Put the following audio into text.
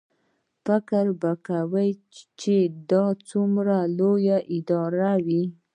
فکر به کوې چې دا څومره لویه اداره وي.